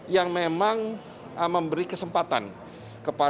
yang memang memberi kesempatan kepada